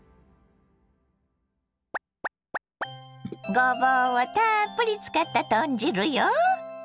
ごぼうをたっぷり使った豚汁よ。